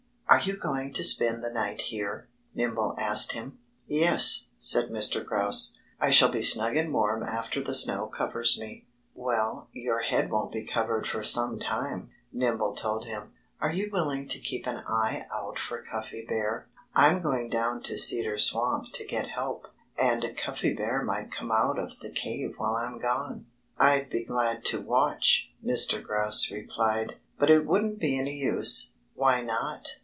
"Are you going to spend the night here?" Nimble asked him. "Yes!" said Mr. Grouse. "I shall be snug and warm after the snow covers me." "Well, your head won't be covered for some time," Nimble told him. "Are you willing to keep an eye out for Cuffy Bear? I'm going down to Cedar Swamp to get help. And Cuffy Bear might come out of the cave while I'm gone." "I'd be glad to watch," Mr. Grouse replied, "but it wouldn't be any use." "Why not?"